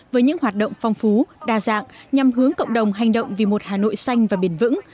với những hoạt động phong phú đa dạng nhằm hướng cộng đồng hành động vì một hà nội xanh và bền vững